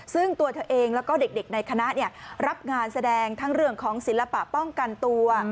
ซึ่งตัวเธอเองแล้วก็เด็กในคณะรับงานแสดงทั้งเรื่องของศิลปะป้องกันตัว